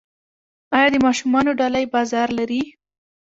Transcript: آیا د ماشومانو ډالۍ بازار لري؟